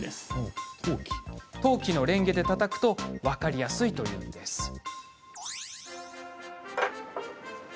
陶器のれんげでたたくと分かりやすいというんです。